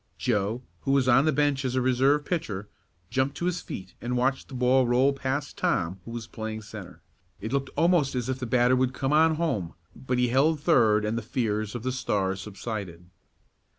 Joe, who was on the bench as a reserve pitcher, jumped to his feet and watched the ball roll past Tom who was playing centre. It looked almost as if the batter would come on home, but he held third and the fears of the Stars subsided.